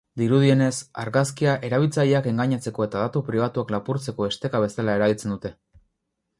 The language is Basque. Dirudienez, argazkia erabiltzaileak engainatzeko eta datu pribatuak lapurtzeko esteka bezala erabiltzen dute.